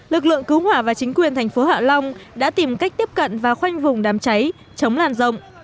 lực lượng cứu hỏa và chính quyền thành phố hạ long đã tìm cách tiếp cận và khoanh vùng đám cháy chống làn rộng